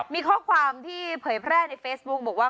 มีข้อความที่เผยแพร่บอกบอกว่า